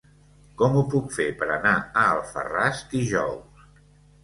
Com ho puc fer per anar a Alfarràs dijous?